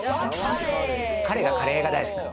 彼がカレーが大好きなの。